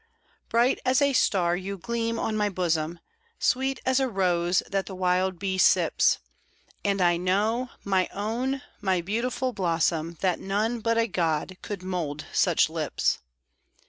Bright as a star you gleam on my bosom, Sweet as a rose that the wild bee sips; And I know, my own, my beautiful blossom, That none but a God could mould such lips.